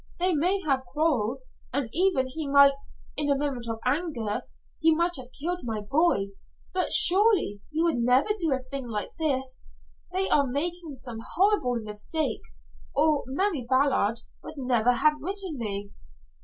They may have quarreled and even he might in a moment of anger, he might have killed my boy, but surely he would never do a thing like this. They are making some horrible mistake, or Mary Ballard would never have written me."